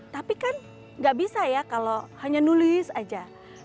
tapi kan gak bisa ya kalau hanya nulis aja